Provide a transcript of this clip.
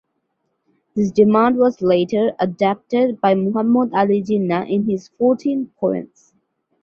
This demand was later adapted by Muhammad Ali Jinnah in his Fourteen points.